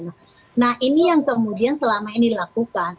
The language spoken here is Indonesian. nah ini yang kemudian selama ini dilakukan